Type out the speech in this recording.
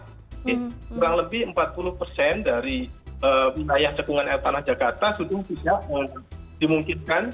jadi kurang lebih empat puluh persen dari wilayah cekungan air tanah jakarta sudah tidak dimungkinkan